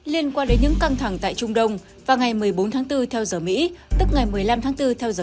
liên quan đến những căng thẳng tại trung đông vào ngày một mươi bốn tháng bốn theo giờ mỹ tức ngày một mươi năm tháng bốn theo giờ